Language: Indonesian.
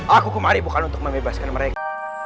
aku kumaribukan untuk membebaskan mereka